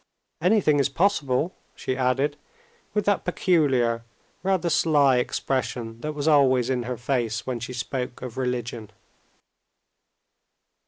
"Anything is possible," she added with that peculiar, rather sly expression that was always in her face when she spoke of religion.